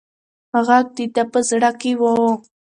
غږ د ده په زړه کې و.